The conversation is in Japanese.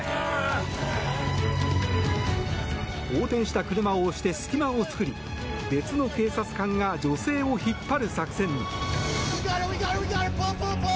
横転した車を押して隙間を作り別の警察官が女性を引っ張る作戦に。